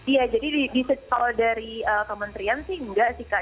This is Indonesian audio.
iya jadi kalau dari kementerian sih enggak sih kak